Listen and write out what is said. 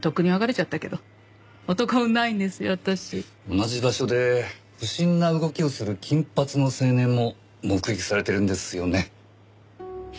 同じ場所で不審な動きをする金髪の青年も目撃されてるんですよね。